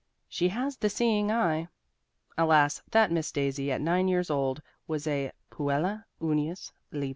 She has the seeing eye. Alas that Miss Daisy at nine years old was a puella unius libri.